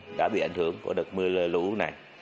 quảng ninh đã bị ảnh hưởng của đợt mưa lửa lũ này